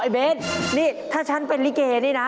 ไอ้เบทนี่ถ้าฉันเป็นริเกย์นี้นะ